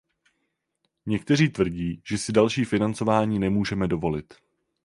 Někteří tvrdí, že si další financování nemůžeme dovolit.